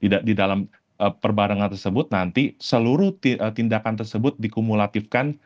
di dalam perbarengan tersebut nanti seluruh tindakan tersebut dikumulatifkan